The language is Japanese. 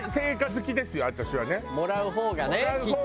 もらう方がねきっと。